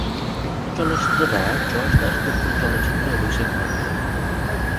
উক্ত চলচ্চিত্র দ্বারা যশ দাশগুপ্তের চলচ্চিত্রে অভিষেক ঘটে।